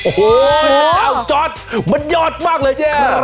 โอ้โหเอาจอดมันยอดมากเลย